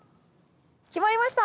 決まりました。